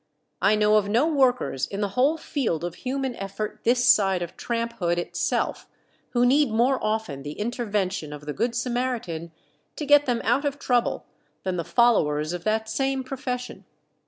I know of no workers in the whole field of human effort this side of tramphood itself who need more often the intervention of the Good Samaritan to get them out of trouble than the followers of that same profession.